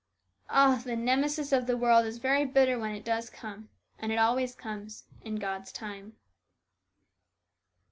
Ah ! the Nemesis of the world is very bitter when it does come, and it always comes, in God's time.